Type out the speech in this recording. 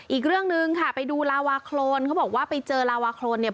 อีกเรื่องหนึ่งค่ะไปดูลาวาโครนเขาบอกว่าไปเจอลาวาโครนเนี่ย